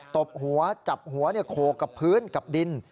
ตบหัวจับหัวโขกกับพื้นกับดิน